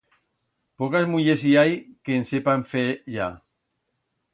Pocas mullers i hai que en sepan fer ya.